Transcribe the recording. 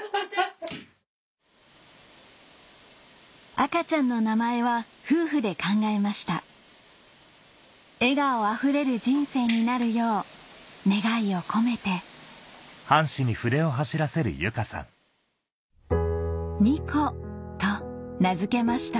赤ちゃんの名前は夫婦で考えました笑顔あふれる人生になるよう願いを込めて「仁琥」と名付けました